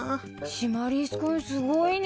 シマリス君すごいね。